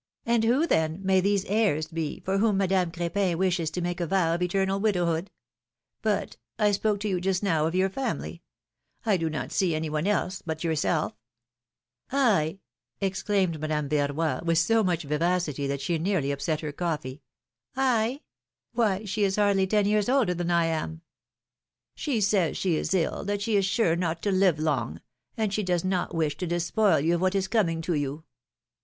^^And who, then, may these heirs be for whom Madame Crepin wishes to make a vow of eternal widowhood ? '^But — I spoke to you just now of your family — I do not see any one else but yourself ! exclaimed Madame Verroy, with so much vivacity that she nearly upset her coffee. Why she is hardly ten years older than I ara!^^ She says she is ill, that she is sure not to live long, and she does not wish to despoil you of what is coming to you.